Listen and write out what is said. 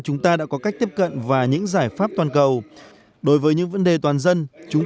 chúng ta đã có cách tiếp cận và những giải pháp toàn cầu đối với những vấn đề toàn dân chúng